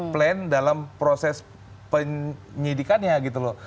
plan dalam proses penyidikannya gitu loh